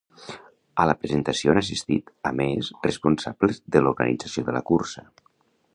A la presentació han assistit, a més, responsables de l’organització de la cursa.